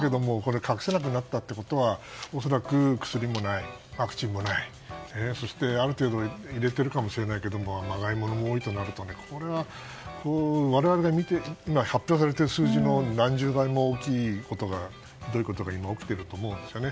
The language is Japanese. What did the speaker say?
隠せなくなったということは恐らく薬もない、ワクチンもないそして、ある程度入れているかもしれないけどまがいものも多いとなると発表されている数字の何十倍も大きい、ひどいことが今、起きていると思うんですよね。